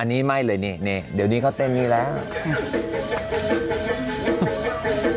อันนี้ไม่เลยนี่เดี๋ยวนี้เขาเต้นนี่แล้ว